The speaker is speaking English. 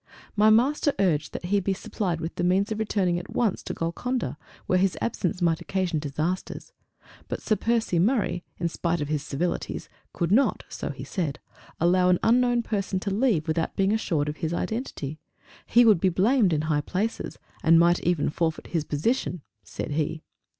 My Master urged that he be supplied with the means of returning at once to Golconda, where his absence might occasion disasters; but Sir Percy Murray, in spite of his civilities could not (so he said) allow an unknown person to leave without being assured of his identity; he would be blamed in high places "and might even forfeit his position" said he!